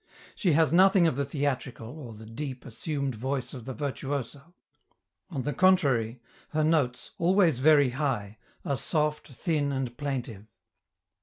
She has nothing of the theatrical, or the deep, assumed voice of the virtuoso; on the contrary, her notes, always very high, are soft, thin, and plaintive.